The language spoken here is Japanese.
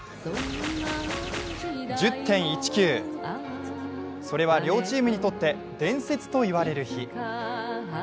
１０．１９、それは両チームにとって伝説といわれる日。